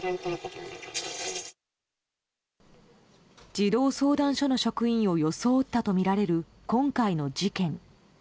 児童相談所の職員を装ったとみられる今回の事件。